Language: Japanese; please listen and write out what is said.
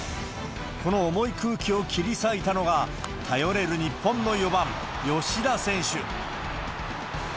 この重い空気を切り裂いたのが、頼れる日本の４番、吉田選手。